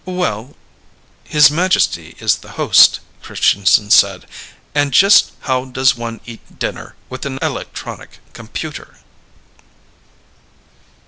"Well?" "His Majesty is the host," Christianson said. "And just how does one eat dinner with an electronic computer?"